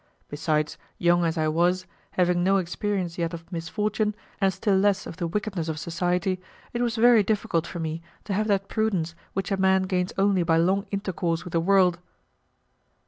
Besides, young as I was, having no experience yet of misfortune, and still less of the wickedness of society, it was very difficult for me to have that prudence which a man gains only by long intercourse with the world.